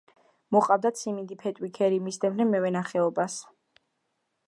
მოჰყავდათ სიმინდი, ფეტვი, ქერი, მისდევდნენ მევენახეობას.